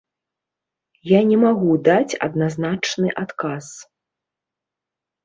Я не магу даць адназначны адказ.